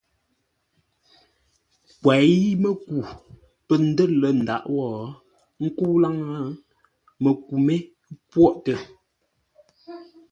Kwěi-mə́ku pə̂ ndə̂r lə̂ lâʼ ndǎʼ wó, ə́ nkə́u láŋə́, məku mé pwôʼtə.